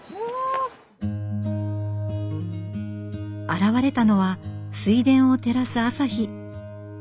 現れたのは水田を照らす朝日。